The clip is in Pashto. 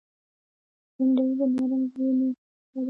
بېنډۍ د نرم زړونو خوښه ده